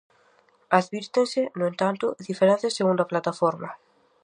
Advírtense, no entanto, diferenzas segundo a plataforma.